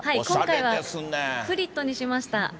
今回はフリットにしました。